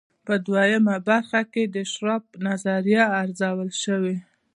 په دویمه برخه کې د شارپ نظریه ارزول شوې.